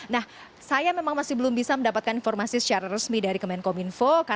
nah saya memang masih belum bisa mendapatkan informasi secara resmi dari kemenkominfo